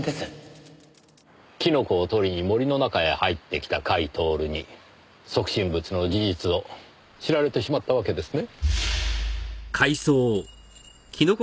キノコを採りに森の中へ入ってきた甲斐享に即身仏の事実を知られてしまったわけですね？